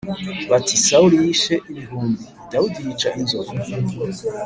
bati ‘Sawuli yishe ibihumbi, Dawidi yica inzovu’?